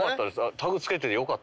タグ付けててよかった。